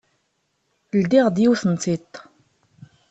Ldiɣ-d yiwet n tiṭ.